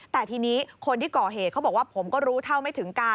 แต่ทีนี้คนที่ก่อเหตุเขาบอกว่าผมก็รู้เท่าไม่ถึงการ